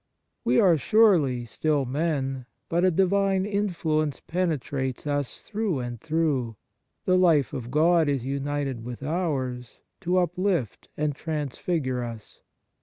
We are, surely, still men, but a divine influence penetrates us through and through ; the life of God is united with ours to uplift and transfigure us.